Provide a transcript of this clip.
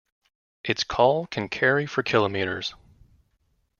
Its call can carry for kilometres.